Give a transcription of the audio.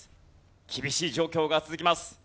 厳しい状況が続きます。